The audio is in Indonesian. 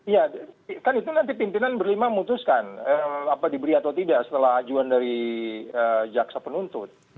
ya kan itu nanti pimpinan berlima memutuskan apa diberi atau tidak setelah ajuan dari jaksa penuntut